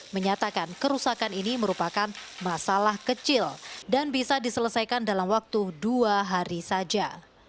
menyatakan kerusakan ini merupakan masalah kecil dan bisa diselesaikan dalam waktu dua hari saja